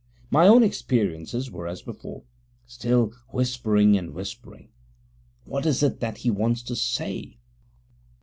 My own experiences were as before: still whispering and whispering: what is it that he wants to say?